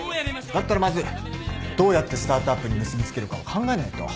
だったらまずどうやってスタートアップに結び付けるかを考えないと。